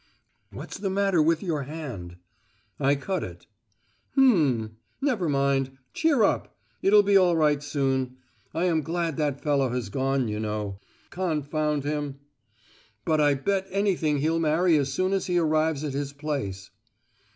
"What's the matter with your hand?" "I cut it." "H'm! Never mind, cheer up! It'll be all right soon! I am glad that fellow has gone, you know,—confound him! But I bet anything he'll marry as soon as he arrives at his place."